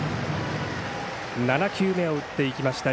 ７球目を打っていきました